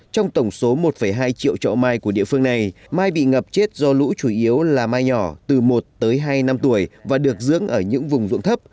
trong tổng số một hai triệu chậu mai của địa phương này mai bị ngập chết do lũ chủ yếu là mai nhỏ từ một tới hai năm tuổi và được dưỡng ở những vùng ruộng thấp